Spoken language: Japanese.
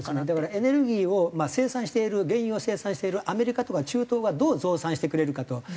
だからエネルギーを生産している原油を生産しているアメリカとか中東がどう増産してくれるかと。